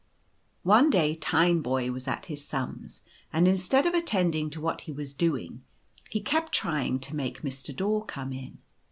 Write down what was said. One day Tineboy was at his sums, and instead of attending to what he was doing, he kept trying to make Mr. Daw come in.